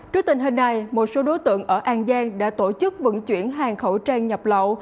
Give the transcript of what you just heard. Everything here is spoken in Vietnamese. trước tình hình này một số đối tượng ở an giang đã tổ chức vận chuyển hàng khẩu trang nhập lậu